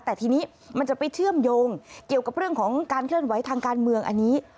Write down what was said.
แต่ทีนี้มันจะไปเชื่อมโยงเกี่ยวกับเรื่องของการเคลื่อนไหวทางการเมืองอันนี้